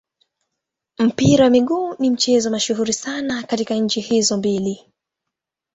Mpira wa miguu ni mchezo mashuhuri sana katika nchi hizo mbili.